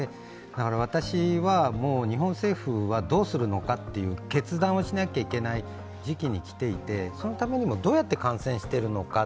私は日本政府はどうするのかという決断をしなきゃいけない時期に来ていてそのためにも、どうやって感染しているのか